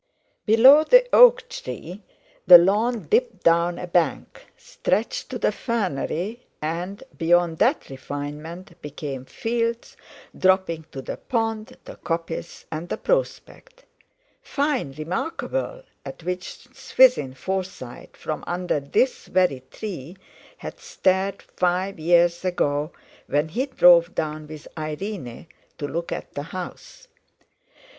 Below the oak tree the lawn dipped down a bank, stretched to the fernery, and, beyond that refinement, became fields, dropping to the pond, the coppice, and the prospect—"Fine, remarkable"—at which Swithin Forsyte, from under this very tree, had stared five years ago when he drove down with Irene to look at the house.